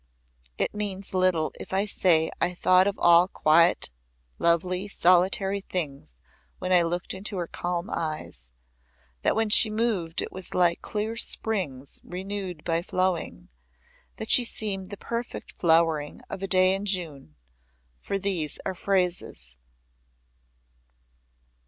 It means little if I say I thought of all quiet lovely solitary things when I looked into her calm eyes, that when she moved it was like clear springs renewed by flowing, that she seemed the perfect flowering of a day in June, for these are phrases.